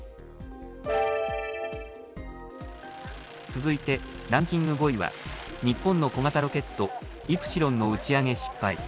続いて、ランキング５位は、日本の小型ロケット、イプシロンの打ち上げ失敗。